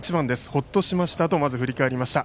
ほっとしましたとまず振り返りました。